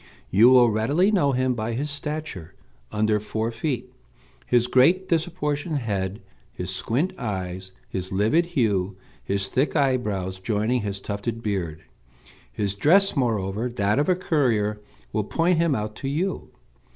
You will readily know him by his stature, under four feet, his great disproportioned head, his squint eyes, his livid hue, his thick eyebrows joining his tufted beard. His dress, moreover, that of a courier, will point him out to you.